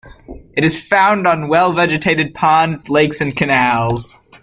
It is found on well-vegetated ponds, lakes and canals.